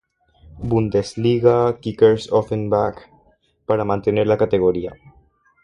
Bundesliga, Kickers Offenbach, para mantener la categoría.